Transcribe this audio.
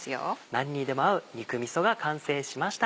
何にでも合う肉みそが完成しました。